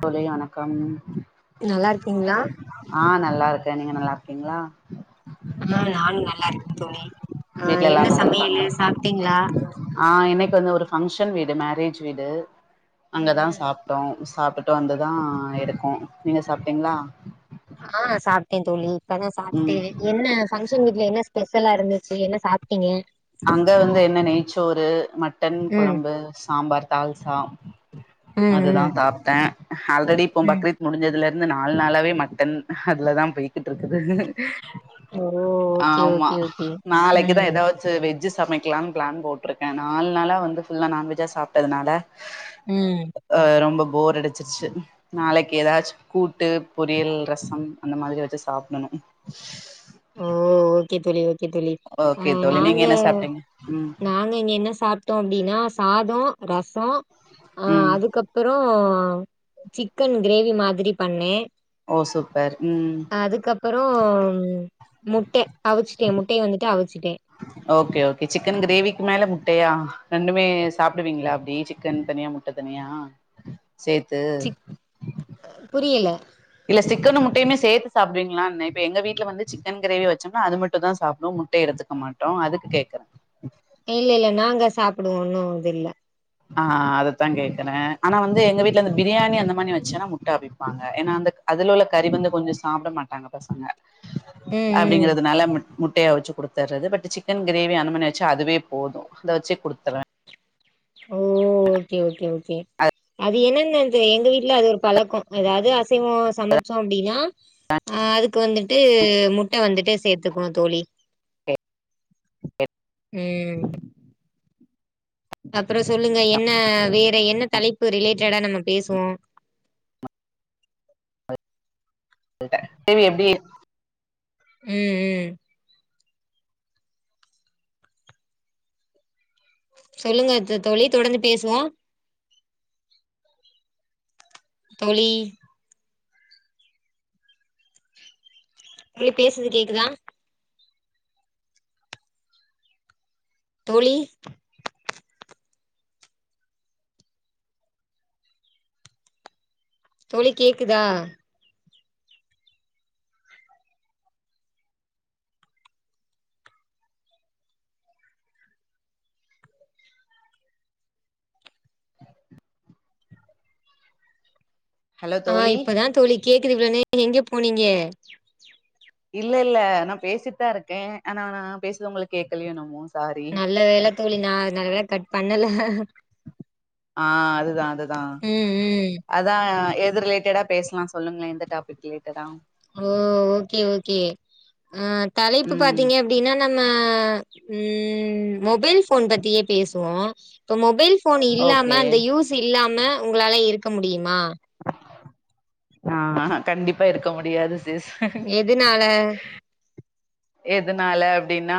தோழி வணக்கம். நல்லாருக்கீங்களா? ஆ, நல்லா இருக்கேன். நீங்க நல்லா இருக்கீங்களா? ஆ, நானும் நல்லா இருக்கேன் தோழி. ஆ வீட்ல என்ன எல்லாரு நல்லா சமையலு இருக்காங்களா சாப்ட்டீங்களா? ஆ, இன்னைக்கு வந்து ஒரு ஃபங்க்ஷன் வீடு மேரேஜ் வீடு ம் அங்கதான் ம் சாப் ட்டோம். சாப்பிட்டுட்டு வந்துதான் இருக்கும். நீங்க சாப்ட்டீங்களா? ஆ, சாப்ட்டேன் தோழி. இப்பதான் சாப்ட்டே ம் என்ன பங்க்ஷன் வீட்ல என்ன ஸ்பெஷலா இருந்துச்சு? என்ன சாப்ட்டீங்க? அங்க வந்து என்ன நெய்ச்சோறு மட்டன் ம் கொழம்பு, சாம்பார், தால்சா ம் அதுதான் ம் சாப்ட்டேன். ஆல்ரெடி இப்போ ம் பக்ரீத் முடிஞ்சதுல இருந்து நாலு நாளாவே மட்டன் அதுலதான் போயிட்டு இருக்குது. ஓ ஓகே ஆமா, ஓகே ஓகே நாளைக்குதான் ம் ஏதா செரி, வெஜ் சமைக்கலாம்னு ப்ளான் போட்ருக்கேன். நாலு நாளா வந்து ஃபுல்லா நான்வெஜ்ஜா சாப்ட்டதுனால? ம் ஆ ரொம்ப போர் அடிச்சிருச்சு. நாளைக்கு ஏதாச்சும் கூட்டு, பொரியல், ரசம் அந்த மாரி வச்சு சாப்டணும். ஓ ஓகே தோழி, ஓகே தோழி அ, ஓகே தோழி நீங்க நாங்க என்ன சாப்ட்டீங்க ம் நாங்க இங்க என்ன சாப்ட் சாப்ட்டோம் அப்டின்னா சாதம் ரசம் ஆ ம் அதுக்கப் புறம், சிக்கன் கிரேவி மாரி பண்ணேன். ஓ சூப்பர் ம் அதுக்கப்புறம் முட்டே அவிச்சுட்டேன். முட்டைய வந்துட்டு அவிச்சுட்டேன். ஓகே ஓகே சிக்கன் கிரேவிக்கு மேல முட்டையா? ரெண்டுமே சாப்டுவீங்களா அப்டி சிக்கன் தனியா, முட்ட தனியா சேத்து புரில. இல்ல சிக்கனும் முட்டையுமே சேத்து சாப்டுவீங்களானுன இப்ப எங்க வீட்ல வந்து சிக்கன் கிரேவி வச்சோம்னா அது மட்டும் தான் சாப்டுவோம் முட்டை எடுத்துக் க மாட்டோம் அதுக்கு கேக்கு இல்ல இல்ல நாங்க சாப்டுவோம். ஒன்னும் இது இல்ல. ஆ, அததான் கேக்குறேன். ஆனா வந்து எங்க வீட்ல இந்த பிரியாணி அந்த மாரி வச்சேன்னா முட்டை அவிப்பாங்க. ஏன்னா வந்து அதுல உள்ள கறி வந்து கொஞ்சம் சாப்ட மாட்டாங்க பசங்க. ம் ம் அப்டிங்கிறதுனால மு முட்டைய அவுச்சு குடு. தர்றது. பட் சிக்கன் கிரேவி அந்த மாரி வச்சா அதுவே போதும். அதை வச்சே குடுத்துருவேன். ஓ, ஓகே ஓகே அது என்னன்ன? இப்ப எங்க வீட்ல அது ஒரு பழக்கம். இருக்குது ஏதாவது அசைவம் சமைச்சோம் அப்டின்னா? ஆ, அதுக்கு வந்துட்டு முட்டை வந்துட்டு சேத்துக்குவோம் தோழி. ம் அப்றம் சொல்லுங்க. என்ன வேற, என்ன தலைப்பு ரிலேட்டடா நம்ம பேசுவோம். தேவி எப்டி ம் ம் சொல்லுங்க தோ தோழி தொடந்து பேசுவோம் தோழி எங்க பேசுறது கேக்குதா தோழி தோழி கேக்குதா ஹலோ அ தோழி இப்பதான் தோழி கேக்குது இவ்ளோன்னேர எங்க போனீங்க இல்ல இல்ல நான் பேசிட்தான் இருக்கேன் ஆனா நான் பேசுறது உங்களுக்கு கேக்கலையோ என்னமோ சாரி நல்ல வேல தோழி நா நல்ல வேலை கட் பண்ணல அ அதுதான் அதுதான் ம் ம் அதான் எது ரிலேட்டடா பேசலாம் சொல்லுங்களேன் எந்த டாபிக் ரிலேட்டடா ஓ ஓகே ஓகே அ தலைப்பு ம் பாத்தீங்க அப்டினா நம்ம ம் மொபைல் போன் பத்தியே பேசுவோம் இப்போ மொபைல் போன் ஓகே இல்லாம அந்த யூஸ் இல்லாம உங்களால இருக்க முடிமா அ கண்டிப்பா இருக்க முடியாது சிஸ் எதுனால எதுனால அப்டின்னா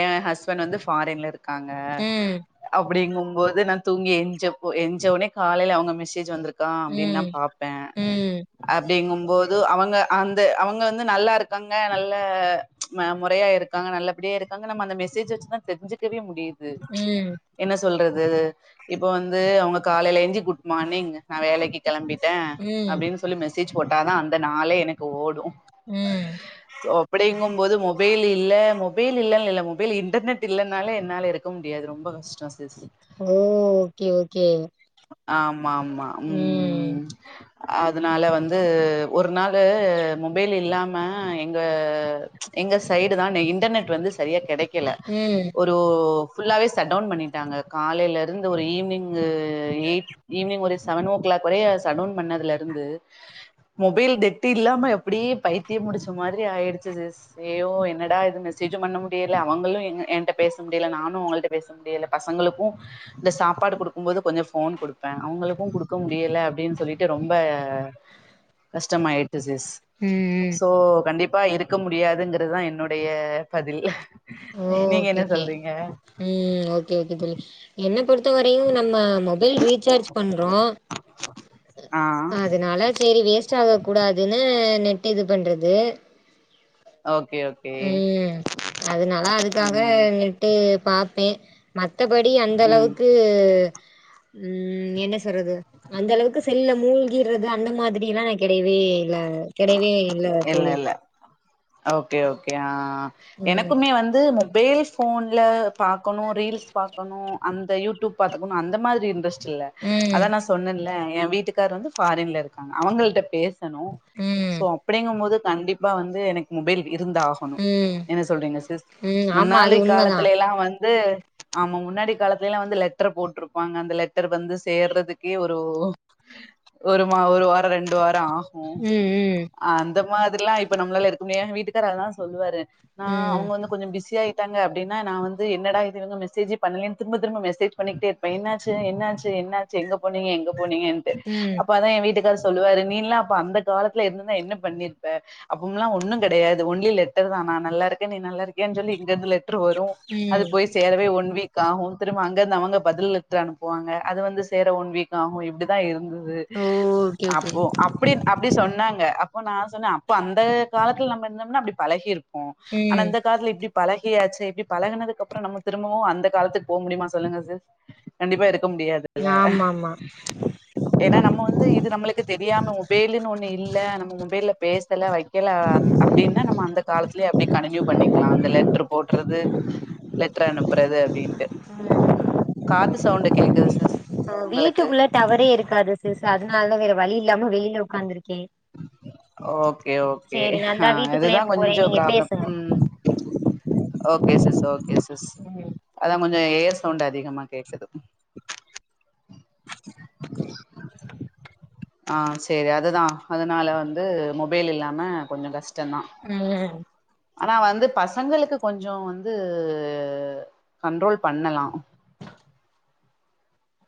என் ஹஸ்பண்ட் வந்து ஃபாரின்ல இருக்காங்க ம் அப்படிங்கும் போது நான் தூங்கி எஞ்ச எஞ்சவுனே காலையில அவங்க மெசேஜ் வந்திருக்கு க்க அப்டின்னு தான் ம் பாப்பேன் ம் அப்டிங்கும்போது அவங்க அந்த அவங்க வந்து நல்லா இருக்காங்க நல்ல மொறையா இருக்காங்க நல்லபடியா இருக்காங்க நம்ம அந்த மெசேஜ் வச்சுதா தெரிஞ்சுக்கவே முடியுது ம் என்ன சொல்றது இப்ப வந்து அவங்க காலையில எஞ்சி குட் மார்னிங் நா வேலைக்கு கெளம்பிட்டேன் ம் அப்டின்னு சொல்லி மெசேஜ் போட்ட தா அந்த நாளே எனக்கு ஓடும் ம் சோ அப்டி தூங்கு போது மொபைல் இல்ல மொபைல் இல்லன்னு இல்ல மொபைல் இன்டர்நெட் இல்லைனாலே என்னால இருக்க முடியாது ரொம்ப கஷ்டம் [unintelligible] ஓ ஓகே ஓகே ஆமா ஆமா ம் அதனால வந்து ஒரு நாளு மொபைல் இல்லாம எங்க எங்க சைடு தான் இன்டர்நெட் வந்து சரியா கெடைக்கல ம் ஒரு ஒ புல்லாவே சட்டவுன் பண்ணிட்டாங்க காலையில இருந்து ஒரு ஈவினிங் எய் ஈவி்னிங் ஒரு செவன் ஓ கிளாக் வரய சடவுன் பண்ணதுல இருந்து மொபைல் நெட்டு இல்லாம அப்டியே பைத்தியம் புடிச்ச மாதிரி ஆயிடுச்சு சிஸ் அய்யய்யோ என்னடா இது மெசேஜும் பண்ண முடியல அவங்களும் எங் ஏன்ட்ட பேச முடியல நானும் அவங்கள்ட பேச முடியல பசங்களுக்கும் இந்த சாப்பாடு குடுக்கும்போது கொஞ்சம் போன் குடுப்பேன் அவங்களுக்கும் குடுக்க முடியல அப்டின்னு சொல்லிட்டு ரொம்ப கஷ்டமாயிட்டு சிஸ் ம் ம் சோ கண்டிப்பா இருக்க முடியாதுங்கறது‌ தா என்னுடைய பதில் ஒ நீங்க ஓகே என்ன கே சொல்றீங்க ம் ஓகே ஓகே தோழி என்ன பொறுத்த வரையும் நம்ம மொபைல் ரீசார்ஜ் பண்றோம் அ அதனால சரி வேஸ்ட் ஆக கூடாதுன்னு நெட் இது பண்றது ஓகே ஒகே ம் அதனால அதுக்காக ம் நெட்டு பாப்பேன் மத்தபடி அந்த ம் அளவுக்கு ம் என்ன சொல்றது அந்த அளவுக்கு செல்ல மூழ்கிறது அந்த மாதிரி எல்லா கெடையவே இல்ல கெடையவே இல்ல தோழி இல்ல ஓகே ஓகே அ ம் எனக்குமே வந்து வேல் போன்ல பாக்கணும் ரீல்ஸ் பாக்கணும் அந்த யூடியூப் பாத்துக்கணும் அந்த மாதிரி இன்டரஸ்ட் இல்ல ம் அதான் நா சொன்னேன்ல என் வீட்டுக்காரு வந்து ஃபாரின்ல இருக்காங்க அவங்கள்ட பேசணு சோ ம் அப்டிங்க போது கண்டிப்பா வந்து எனக்கு மொபைல் இருந்தாகு ப ம் என்ன சொல்றீங்க சிஸ் ம் ஆமா அது முன்னாளி உண்மதா காலத்துலல்லா வந்து ஆமா முன்னாடி காலத்துலலா வந்து லெட்டர் போட்டிருப்பாங்க அந்த லெட்டர் வந்து சேர்றதுக்கே ஒரு ஒருமா ஒரு வாரம் ரெண்டு வாரம் ம் ம் அந்த மாதிரிலா இப்ப நம்மளால இருக்க முடியு எங்க வீட்டுக்கார் அததா சொல்லுவாரு நா ம் அவங்க வந்து கொஞ்சம் பிஸியா [unintelligible] அப்டின்னா நா வந்து என்னடா இது மெசேஜ்ஜே பண்ணலியே திரும்ப திரும்ப மெசேஜ் பண்ணிகிட்டே இருப்பே என்னாச்சு என்னாச்சு என்ன எங்க போனீங்க எங்க போனீங்கட்டு ம் அப்ப அதா என் வீட்டுக்கார சொல்லுவாரு நீளா அப்ப அந்த காலத்து ல இருந்துதா என்ன பண்ணிர்ப்ப அப்பம்ல்லாம் ஒன்னும் கடையாது ஒன்லி லெட்டர் தா நா நல்லாருகேன் நீ நல்லாருக்கயானு சொல்லி இங்கந்து லெட்டர் வரும் அது ம் போய் சேரவே ஒன் வீக் ஆகும் திரும்ப அங்க அவங்க பதில் எழுத்து அனுப்புவாங்க அது வந்து சேர ஒன் வீக் இப்டிதா இருந்தது ஓ ஓகே ஓகே அப்போ அப்டி அப்டி சொன்னாங்க அப்போ நா சொன்ன அப்போ அந்த காலத்துல நம்ம இருந்தோம்னா அப்டி பழகிருப்போ ஆனா ம் இந்த காலத்துல இப்டி பழகியாச்சு இப்டி பழகனதுக்கப்புறம் திரும்பவும் அந்த காலத்துக்கு போக முடியுமா சொல்லுங்க சிஸ் கண்டிப்பா இருக்க முடியாது ஆமா ஆமா ஏன்னா நம்ம வந்து இது நம்ளுக்கு தெரியாம ஒபேல்ன்னு இல்ல நம்ம மொபேல்ல பேசல வைக்கல அப்டின்னா நம்ம அந்த காலத்திலய அப்டி கண்டினியூ பண்ணிக்கலாம் அந்த லெ ல போடுறது லெட்ரு அனுப்பறது அப்டின்ட்டு காத்து சவுண்டு கேக்குது சிஸ் உங்களுக்கு வீட்டுக்குள்ள டவரே இருக்காது சிஸ் அதனாலதா வேற வழி இல்லாம வெளில உக்காந்துருக்கே ஓகே ஓகே சேரி நாந்தா வீட்டுக்குள்ளயே இதுதா போறே கொஞ்ச நீங்க ப்ராப்ளம் பேசுங்க ஓகே சிஸ் ஓகே சிஸ் ம் கொஞ்ச ஏர் சவுண்ட் அதிகமா கேக்குது ஆ சரி அதுதா அதனால வந்து மொபைல் இல்லாம கொஞ்ச கஷ்டதா ம் ஆனா வந்து பசங்களுக்கு கொஞ்ச வந்து கண்ட்ரோல் பண்ணலா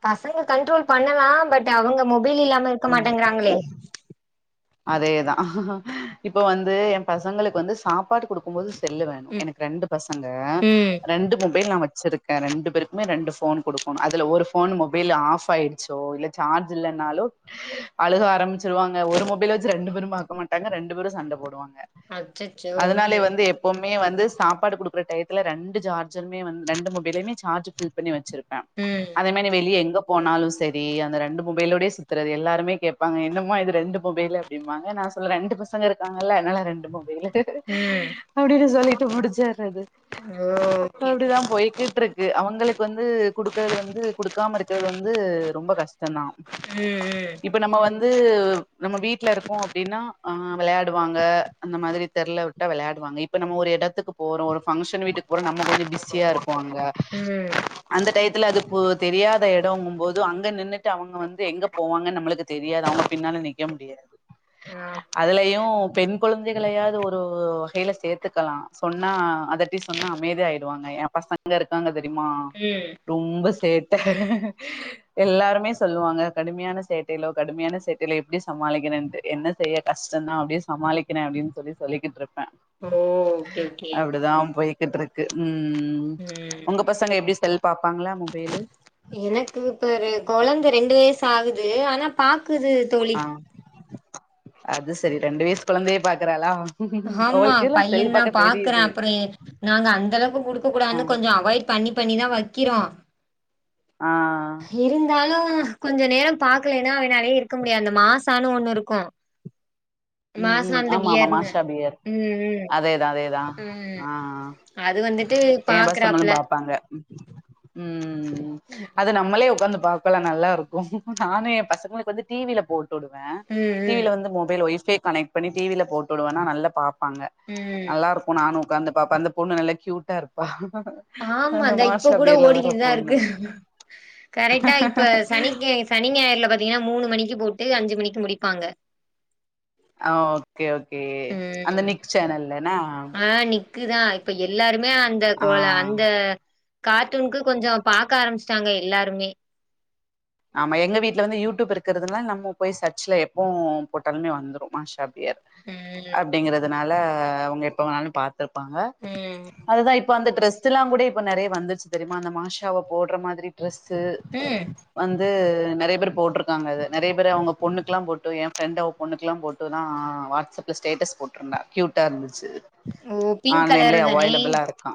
பசங்க கண்ட்ரோல் பண்ணலாம் பட் அவங்க மொபைல் இல்லாம இருக்க ம் மாட்டேங்கறாங்களே அதேதா இப்ப வந்து எ பசங்களுக்கு வந்து சாப்பாடு குடுக்கும்போது செல்லு வேணும் ம் எனக்கு ரெண்டு பசங்க ம் ரெண்டு மொபைல் நா வச்சிருக் க்க ரெண்டு பேருக்குமே ரெண்டு ஃபோன் குடுக்கணு அதுல ஒரு ஃபோன் மொபைல் ஆஃப் ஆயிடுச்சோ இல்ல சார்ஜ் இல்லனாலோ அழுக ஆரம்பிச்சுருவாங்க ஒரு மொ பைல் வெச்சு ரெண்டு பேரும் பாக்க மாட்டாங்க ரெண்டு பேரும் சண்ட போடுவாங்க அச்சச்சோ அதனாலே ம் வந்து எ ப்போமே வந்து சாப்பாடு குடுக்கற டயத்துல ரெண்டு சார்ஜருமே வந்து ரெண்டு மொபைலுமே சார்ஜ் ஃபில் பண்ணி வச்சிரு ம் அதே மாரி வெளிய எங்க போனாலும் சரி அந்த ரெண்டு மொபைலோடே சுத்துறது எல்லாருமே கேப்பாங்க என்னமா இது ரெண்டு மொபைலு அப்டிம்பாங்க நா சொல்லுவே ரெண்டு பசங்க இருக்காங்கல்ல அதனால ரெண்டு மொபைல் ம் அப்டின்னு சொல்லிட்டு முடிச்சறது ஓ ஓகே ஓகே அப்படிதா போய்க்கிட்டு இருக்கு அவங்களுக்கு வந்து குடுக்கறது வந்து குடுக்காம இருக்கறது வந்து ரொம்ப கஷ்ட ம்தா ம் இப்ப நம்ம வந்து நம்ம வீட்ல இருக்கோ அப்டின்னா வெளயாடுவாங்க அந்த மாரி தெர்ல விட்டா வெளயாடுவாங்க இப்ப நம்ம ஒரு எடத்துக்கு போறோ ஒரு பங்ஷன் வீட்டுக்கு போறோ நம்ம கொஞ்ச பிஸியா இருப்போ அங்க ம் ம் அந்த டயத்துல அது தெரியாத எடங்கும் போது அங்க நின்னுட்டு அவங்க வந்து எங்க போவாங்கன் நம்மளுக்கு தெரியாது அவங்க பின்னால நிக்க முடியாது அ அதுலயு பெண் குழந்தைகளையாவது ஒரு வகையில சேத்துக்கலா சொன்னா அத எப்டி சொன்னா அமைதியாயிடுவாங்க எ பசங்க இருக்காங்க தெரிமா ம் ரொம்ப சேட்ட எல்லாருமே சொல்லுவாங்க கடுமையான சேட்டயிலோ கடுமையான சேட்டயிலோ எப்டி சமாளிக்கிறேன்ட்டு என்ன செய்ய கஷ்டந்தா அப்டியே சமாளிக்கிறே அப்டின்னு சொல்லி சொல்லிட்டு இருப்பே ஓ ஓகே ஓகே அப்டிதா போயி கிட்ருக்கு ம் ம் உங்க பசங்க எப்டி செல் பாப்பாங்களா மொபைலு எனக்கு இப்ப ஒரு கொழந்த ரெண்டு வயசு ஆகுது ஆனா பாக்குது தோழி ஆ அது செரி ரெண்டு வயசு கொழந்தையே பாக்குறாளா ஆமா அவளுக்கு எல்லா செல் பையன் தா பாக்க பாக்குற தெரியுது அப்புற நாங்க அந்த அளவுக்கு குடுக்க ஆ கூடாதுனு கொஞ்ச அவாய்ட் பண்ணி பண்ணிதா வைக்கிறோ ஆ இருந்தாலு கொஞ்ச நேரோ பாக்கலேனா அவனாலயே இருக்க முடியாது அந்த மாசானு ஒண்ணு இருக்கு ம் ம் மாசாந்த ஆமா ஆமா பியர்னு மாஷாபியர் ம் ம் அதேதா அதேதா ம் ஆ அது வந்துட்டு ஏம் பசங்களு பாக்குறாப்ல பாப் பாங்க ம் அது நம்மளே உக்காந்து பா க்கலா நல்லா இருக்கு நானு ஏ பசங்களுக்கு வந்து டி வி ல போட்டு விடுவே ம் டி வி ம் ல வந்து மொபைல் ஒய்ஃபை கனெக்ட் பண்ணி டி வி ல போட்டு விடுவேனா நல்ல பாப்பாங்க ம் நல்லா இருக்கு நானும் உக்காந்து பாப்ப அந்த பொண்ணு நல்லா கியூட்டா இருப்பா ஆமா அந்த இந்தா இப்ப மாஷா கூட பியர்ல வர்ற ஓடிக்கிட்டுதா இருக்கு பொண்ணு கரெக்டா இப்ப சனிக்கு சனிஞாயர்ல பாத்தீங்கன்னா மூணு மணிக்கு போட்டு அஞ்சு மணிக்கு முடிப்பாங்க அ ஓகே ஓகே அந்த நிக் சேனல்ல ன அ நிக்குதா இப்ப எல்லாருமே அந்த ஆ கோல அந்த கார்ட்டூனுகு கொஞ்ச பாக்க ஆரம்பிச்டாங்க எல்லாருமே ஆமா எங்க வீட்ல வந்து யூடியூப் இருக்கறதுனால நம்ம போயி சர்ச்ல எப்போவு போட்டாலுமே வந்துடு மாஷா பியர் ம் அப்டிங்கறதுனால அவுங்க எப்பவேனாலு பாத்துருப்பாங்க ம் அதுதா இப் இப்ப அந்த ட்ரெஸ் எல்லா கூட இப்ப நெறைய வந்துருச்சு தெரியுமா அந்த மாஷாவ போடுற மாதிரி ட்ரெஸ்ஸு ம் வந்து நெறையா பேர் போட்டுருக்காங்க அது நெறைய பேர் அவுங்க பொண்ணுக்குல்லா போட்டு ஏ ஃப்ரெண்டு அவுங் பொண்ணுக்குலா போட்டு தா வாட்ஸ்அப்ல ஸ்டேட்டஸ் போட்டுருந்தா க்யூட்டா இருந்துச்சு ஓ பிங்க் கலர் ஆன்லைன்லயே தானே அவைலபிளா இருக்கா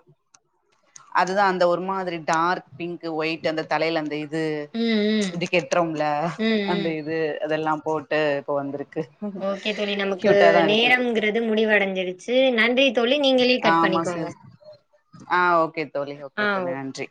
அதுதா அந்த ஒரு மாதிரி டார்க் பிங்க் ஒயிட் அந்த தலையில அந்த இது ம் ம் இது கெட்டுறோம்ல ம் அந்த ம் இது அதெல்லாம் போட்டு இப்ப வந்துருக்கு க்யூட்டா தா இருக்குது இது முடிவடைஞ்சிருச்சு நன்றி தோழி நீங்களே கட் ஆமா பண்ணிக்கோங்க சிஸ் ஆ ஓகே தோழி ஆ ஓகே தோழி ஓ நன்றி